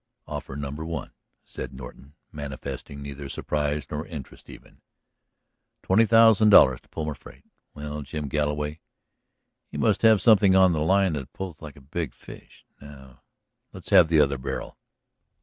"Offer number one," said Norton, manifesting neither surprise nor interest even. "Twenty thousand dollars to pull my freight. Well, Jim Galloway, you must have something on the line that pulls like a big fish. Now, let's have the other barrel."